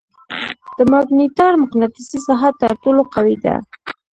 د ماګنیټار مقناطیسي ساحه تر ټولو قوي ده.